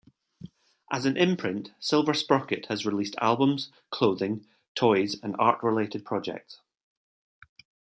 As an imprint, Silver Sprocket has released albums, clothing, toys, and art-related projects.